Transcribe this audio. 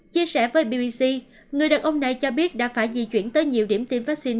chia sẻ với bbc người đàn ông này cho biết đã phải di chuyển tới nhiều điểm tiêm vaccine